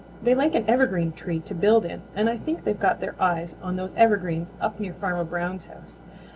They like an evergreen tree to build in, and I think they've got their eyes on those evergreens up near Farmer Brown's house.